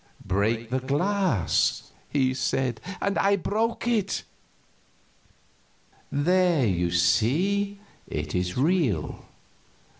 "Break the glass," he said. I broke it. "There you see it is real.